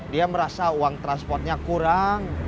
dia merasa uang transportnya kurang